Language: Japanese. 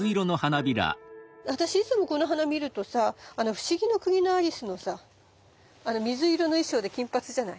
私いつもこの花見るとさ「不思議の国のアリス」のさ水色の衣装で金髪じゃない？